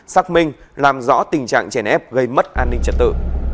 xác minh làm rõ tình trạng chèn ép gây mất an ninh trật tự